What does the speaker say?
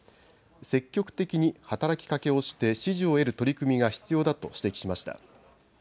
積極的に働きかけをして支持を得る取り組みが必要だと指摘しました。